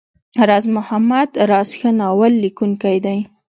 راز محمد راز ښه ناول ليکونکی دی.